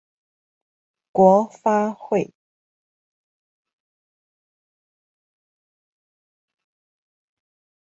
國發會